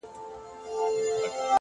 اخلاق د انسان تلپاتې پانګه ده!